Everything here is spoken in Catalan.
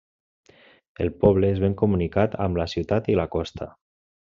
El poble és ben comunicat amb la ciutat i la costa.